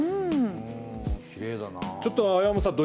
ちょっと青山さん